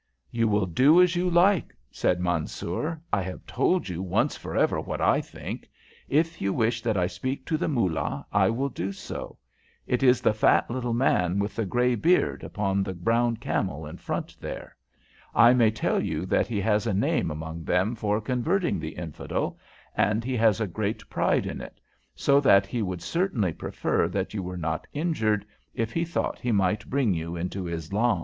"You will do as you like," said Mansoor. "I have told you once for ever what I think. If you wish that I speak to the Moolah, I will do so. It is the fat, little man with the grey beard, upon the brown camel in front there. I may tell you that he has a name among them for converting the infidel, and he has a great pride in it, so that he would certainly prefer that you were not injured if he thought that he might bring you into Islam."